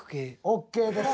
ＯＫです。